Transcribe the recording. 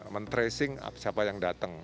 men tracing siapa yang datang